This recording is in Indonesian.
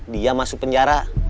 dia masuk penjara